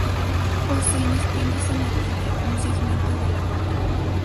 Poseen espinas en la tibia, un segmento de la pata.